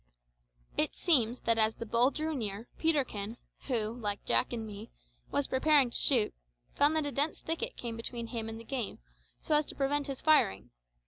It seems that as the bull drew near, Peterkin, who, like Jack and me, was preparing to shoot, found that a dense thicket came between him and the game, so as to prevent his firing.